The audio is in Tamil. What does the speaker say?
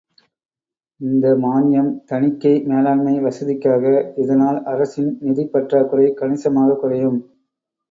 இந்த மான்யம் தணிக்கை மேலாண்மை வசதிக்காக, இதனால் அரசின் நிதிப் பற்றாக்குறை கணிசமாகக் குறையும்.